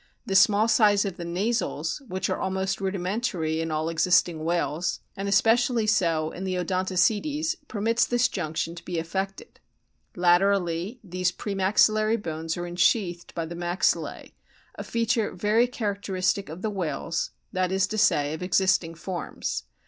The small size of the nasals, which are almost rudimentary in all exist ing whales, and especially so in the Oclontocetes, permits this junction to be effected. Laterally these pre maxillary bones are ensheathed by the maxillae, a feature very characteristic of the whales, that is to say, of existing forms.